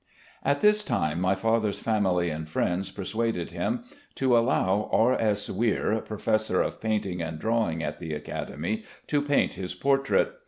At this time, my father's family and friends persuaded him to allow R. S. Weir, Professor of Painting and Drawing at the Academy, to paint his portrait.